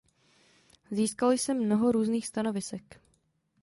Získal jsem mnoho různých stanovisek.